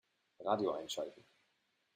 Radio einschalten.